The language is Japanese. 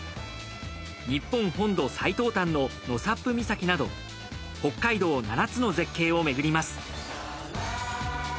日本本土最東端の納沙布岬など北海道７つの絶景を巡ります。